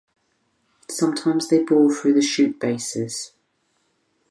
Sometimes they bore through the shoot bases.